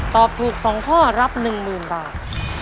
ตอบถูก๒ข้อรับ๑๐๐๐บาท